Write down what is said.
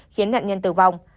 khiến nạn nhân tử vong